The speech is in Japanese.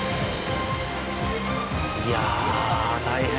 いや大変！